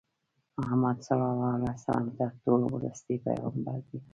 محمدﷺ تر ټولو ورستی پیغمبر دی.